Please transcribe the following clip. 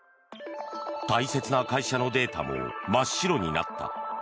大切な会社のデータも真っ白になった。